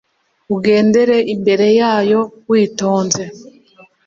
Ugendere imbere yayo witonze,